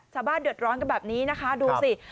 ชาวบ้านเดือดร้อนกันแบบนี้นะคะดูสิ